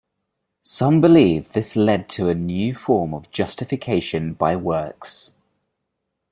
Some believe this led to a new form of justification by works.